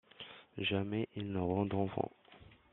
Jamais ils n’auront d’enfants.